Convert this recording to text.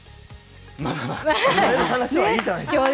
まあまあ、お金の話はいいじゃないですか。